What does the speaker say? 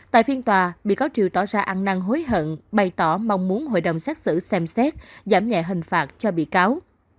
tại phiên tòa bị cáo triều tỏ ra ăn năng hối hận bày tỏ mong muốn hội đồng xét xử xem xét giảm nhẹ hình phạt cho bị cáo